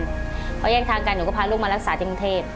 แยกกันพอแยกทางกันหนูก็พาลูกมารักษาที่มือเทพ